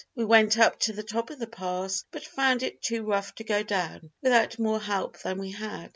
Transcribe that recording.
We went up to the top of the pass but found it too rough to go down without more help than we had.